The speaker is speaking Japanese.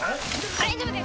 大丈夫です